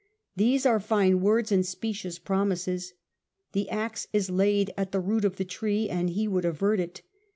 " These are fine words and specious promises. The axe is laid at the root of the tree and he would avert it.